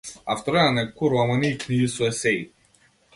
Автор е на неколку романи и книги со есеи.